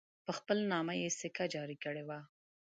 په خپل نامه یې سکه جاري کړې وه.